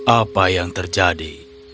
apa yang terjadi